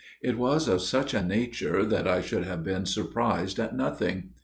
It was of such a nature that I should have been surprised at nothing.